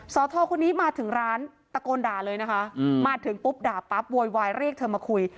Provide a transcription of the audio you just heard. ทอคนนี้มาถึงร้านตะโกนด่าเลยนะคะมาถึงปุ๊บด่าปั๊บโวยวายเรียกเธอมาคุย